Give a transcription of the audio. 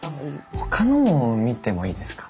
ほかのも見てもいいですか？